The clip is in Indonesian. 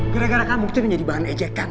gara gara kamu itu yang jadi bahan ejekan